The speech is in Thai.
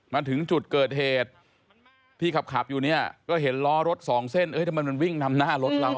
มาถึงจุดเกิดเหตุที่ขับอยู่เนี่ยก็เห็นล้อรถสองเส้นเอ้ยทำไมมันวิ่งนำหน้ารถเรา